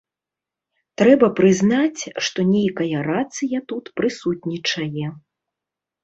Трэба прызнаць, што нейкая рацыя тут прысутнічае.